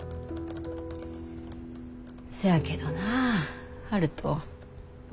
そやけどな悠人。